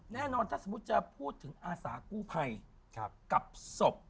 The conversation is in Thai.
แน่นอนถ้าสมมุติจะพูดถึงอาสากู้ภัยกับศพ